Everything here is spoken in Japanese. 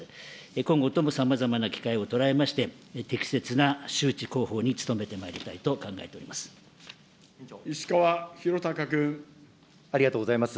今後ともさまざまな機会をとらえまして、適切な周知広報に努めてまいりたいと考えております。